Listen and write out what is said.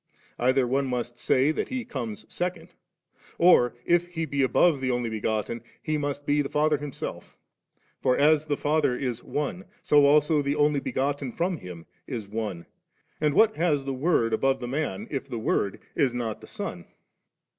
Either one must say that He comes second, or, if He be above the Only begotten, He must be the Father Himself For as the Father is One, so also the Only begotten from Him is One; and what has the Word above the Man, if the Word is not the Son